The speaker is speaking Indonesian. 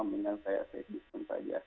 mendingan saya sedih saja